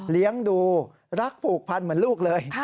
เลี้ยงดูรักผูกพันเหมือนลูกเลย